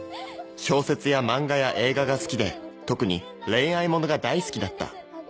小説や漫画や映画が好きで特に恋愛ものが大好きだった。